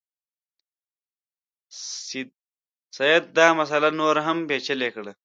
سید دا مسله نوره هم پېچلې کړه.